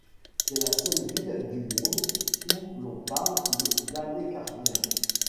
C'est la seule ville du monde où l'on parle le dalécarlien.